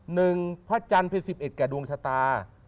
หนึ่งพระจันทร์เป็นสิบเอ็ดแก่ดวงชะตา